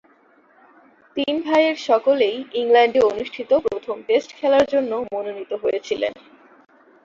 তিন ভাইয়ের সকলেই ইংল্যান্ডে অনুষ্ঠিত প্রথম টেস্ট খেলার জন্য মনোনীত হয়েছিলেন।